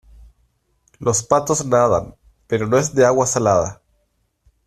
los patos nadan. pero no es de agua salada,